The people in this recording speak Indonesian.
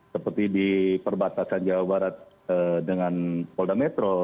seperti di perbatasan jawa barat dengan polda metro